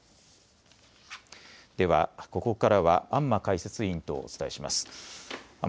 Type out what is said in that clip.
ではここからは安間解説委員とお伝えします。